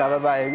apa kabar baik